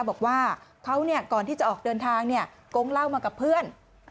บอกว่าเขาก่อนที่จะออกเดินทางเนี่ยโก๊งเล่ามากับเพื่อน